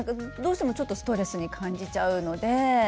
どうしてもストレスに感じちゃうので。